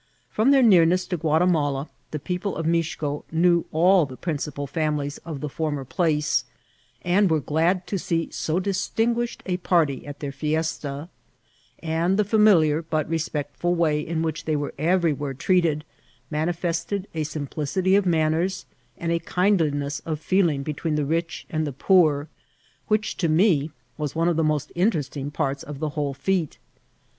From their nearness to Gua timala, the people of Mixco knew all the principal fam ilies of the former place, and were glad to see so dis tinguished a party at their festa ; and the familiar but retpectful way in which they were everywhere treat ed, manifested a simplicity of manners, and a kindliness of feeling between the rich and the poor, which to me was one of the most interesting parts of the whole fgte.